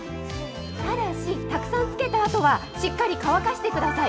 ただし、たくさんつけたあとは、しっかり乾かしてください。